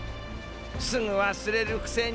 すぐわすれるくせに。